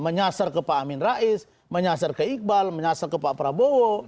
menyasar ke pak amin rais menyasar ke iqbal menyasar ke pak prabowo